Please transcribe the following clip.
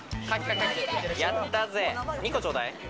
やったぜ、２個ちょうだい。